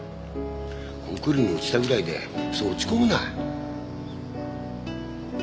コンクールに落ちたぐらいでそう落ち込むな。